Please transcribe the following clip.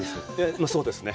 まあ、そうですね。